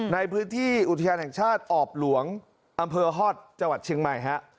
ในพื้นที่อุทยานแห่งชาติออบหลวงอำเภอฮอตจังหวัดเชียงใหม่ฮะ